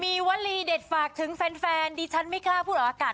มีวลีเด็ดฝากถึงแฟนดิฉันไม่กล้าพูดออกอากาศ